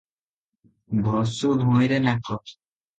ଘଷୁ ଭୂଇଁରେ ନାକ ।"